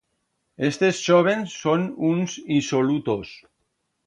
Estes chóvens son uns isolutos.